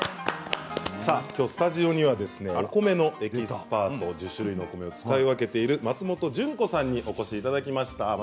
きょう、スタジオにはお米のエキスパート１０種類の米を使い分けている松本純子さんにお越しいただきました。